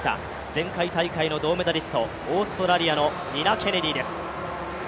前回大会の銅メダリスト、オーストラリアのニナ・ケネディです。